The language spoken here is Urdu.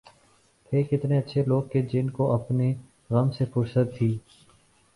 تھے کتنے اچھے لوگ کہ جن کو اپنے غم سے فرصت تھی